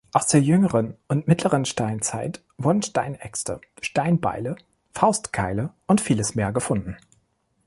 Aus der jüngeren und mittleren Steinzeit wurden Steinäxte, Steinbeile, Faustkeile und vieles mehr gefunden.